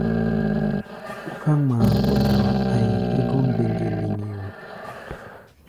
Ɓúká ŋmaa kó dawa a̧ʼi̧ hégɔ́ mbeŋge-leŋge wo!